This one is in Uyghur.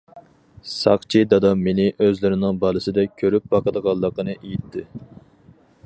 ساقچى دادام مېنى ئۆزلىرىنىڭ بالىسىدەك كۆرۈپ باقىدىغانلىقىنى ئېيتتى.